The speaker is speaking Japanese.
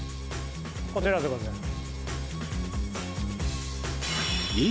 こちらでございます